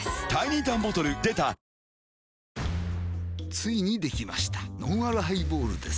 ついにできましたのんあるハイボールです